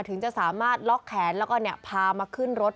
ถึงจะสามารถล็อกแขนแล้วก็พามาขึ้นรถ